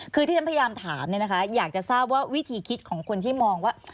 คือที่ฉันพยายามถามเนี่ยนะคะอยากจะทราบว่าวิธีคิดของคนที่มองว่า